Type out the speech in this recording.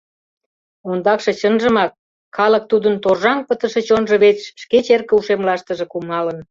Ондакше, чынжымак, калык тудын торжаҥ пытыше чонжо верч шке черке ушемлаштыже кумалын.